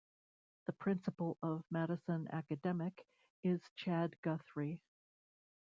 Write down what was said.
The principal of Madison Academic is Chad Guthrie.